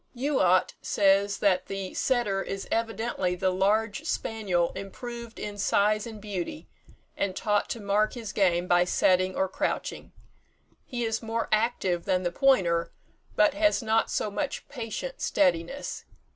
Youatt says that the setter is evidently the large spaniel improved in size and beauty, and taught to mark his game by setting or crouching. He is more active than the pointer, but has not so much patient steadiness.